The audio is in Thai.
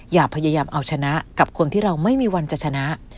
อย่าพยายามเอาชนะกับคนที่เราไม่มีวันจะชนะ